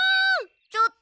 ちょっと！